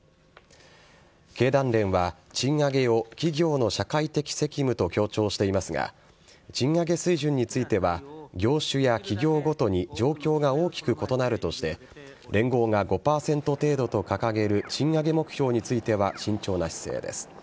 経団連は賃上げを企業の社会的責務と強調していますが、賃上げ水準については、業種や企業ごとに状況が大きく異なるとして、連合が５％程度と掲げる賃上げ目標については慎重な姿勢です。